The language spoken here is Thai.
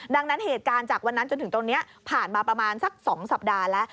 ดังนั้นเหตุการณ์จากวันนั้นจนถึงตรงนี้ผ่านมาประมาณสัก๒สัปดาห์แล้ว